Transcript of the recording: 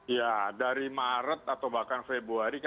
ya dari maret atau bahkan februari